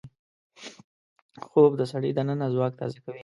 خوب د سړي دننه ځواک تازه کوي